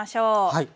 はい。